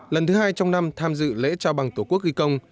lần thứ hai trong năm tham dự lễ trao bằng tổ quốc ghi công